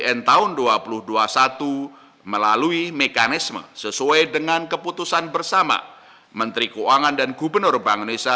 dan tahun dua ribu dua puluh satu melalui mekanisme sesuai dengan keputusan bersama menteri keuangan dan gubernur bank indonesia